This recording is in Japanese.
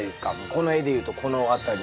この絵でいうとこの辺り。